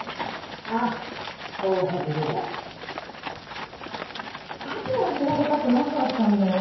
ああ大ハズレだだから調べたくなかったんだよ